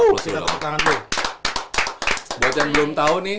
buat yang belum tau nih